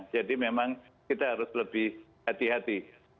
jadi memang kita harus lebih hati hati